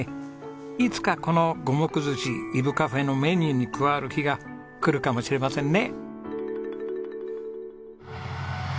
いつかこの五目寿司いぶカフェのメニューに加わる日が来るかもしれませんね！